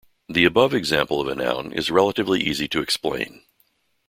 The above example of a noun is relatively easy to explain.